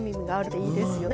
いい色ですよね。